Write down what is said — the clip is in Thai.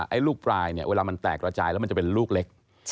ไอ้ลูกปลายเนี่ยเวลามันแตกระจายแล้วมันจะเป็นลูกเล็ก